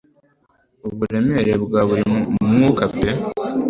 uburemere bwa buri mwuka pe